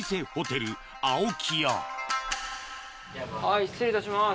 はい失礼いたします。